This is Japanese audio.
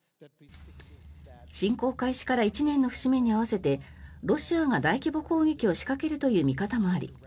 侵攻開始から１年の節目に合わせてロシアが大規模攻撃を仕掛けるという見方もあり